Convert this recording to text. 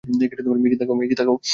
মেইজি, তাকাও।